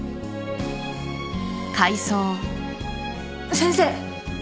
先生！